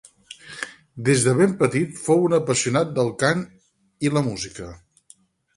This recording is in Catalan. Des de ben petit, fou un apassionat del cant i la música.